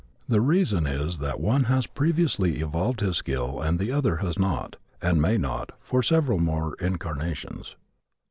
The reason is that one has previously evolved his skill and the other has not, and may not, for several more incarnations.